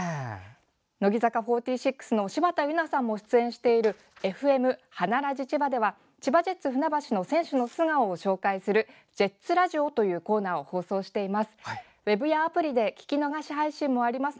乃木坂４６の柴田柚菜さんも出演しているＦＭ「花ラジちば」では千葉ジェッツふなばしの選手の素顔を紹介する「ジェッツラジオ」というコーナーを放送しています。